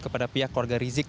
kepada pihak keluarga rizik